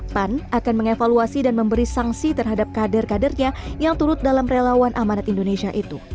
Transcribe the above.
pan akan mengevaluasi dan memberi sanksi terhadap kader kadernya yang turut dalam relawan amanat indonesia itu